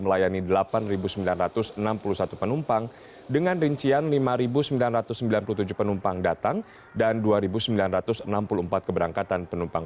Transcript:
melayani delapan sembilan ratus enam puluh satu penumpang dengan rincian lima sembilan ratus sembilan puluh tujuh penumpang datang dan dua sembilan ratus enam puluh empat keberangkatan penumpang